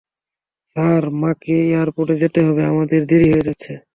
Sir, মাকে এয়ারপোর্টে যেতে হবে, আমাদের দেরি হয়ে যাচ্ছে।